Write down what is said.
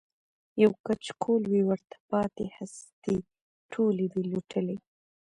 یو کچکول وي ورته پاته هستۍ ټولي وي لوټلي